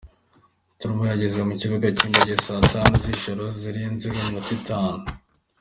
Stromae yageze ku kibuga cy’indege saa tanu z’ijoro zirenzeho iminota itanu.